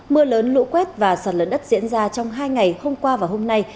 mưa lớn lũ quét và sạt lở đất diễn ra trong hai ngày hôm qua và hôm nay